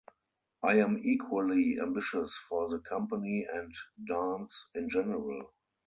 I am equally ambitious for the Company and dance in general.